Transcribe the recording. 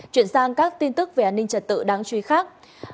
chuyển sang các tin tức về an ninh trật tự đáng truy khác